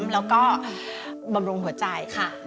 แล้วก็บำรุงหัวใจค่ะ